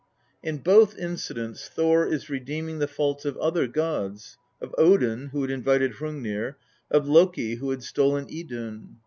In both incidents Thor is redeeming the faults of other gods of Odin, who had invited Hrungnir ; of Loki, who had stolen Idun.